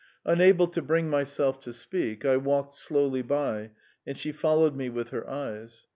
Unable to bring myself to speak, I walked slowly by, and she followed me with her eyes.